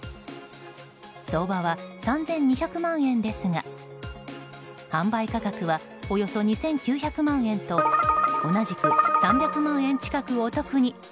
相場は３２００万円ですが販売価格はおよそ２９００万円と同じく３００万円近くお得に。